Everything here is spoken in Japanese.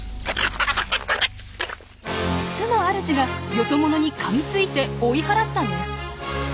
巣のあるじがよそ者にかみついて追い払ったんです。